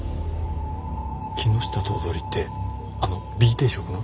木下頭取ってあのＢ定食の？